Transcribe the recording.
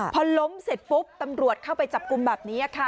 พอล้มเสร็จปุ๊บตำรวจเข้าไปจับกลุ่มแบบนี้ค่ะ